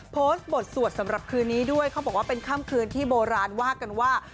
โพสต์บทสวดสำหรับคืนนี้ด้วยเขาบอกว่าเป็นค่ำคืนที่โบราณว่ากันว่า